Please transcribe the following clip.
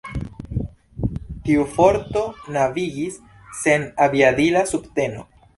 Tiu forto navigis sen aviadila subteno.